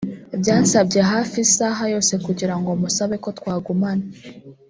Byansabye hafi isaha yose kugira ngo musabe ko twagumana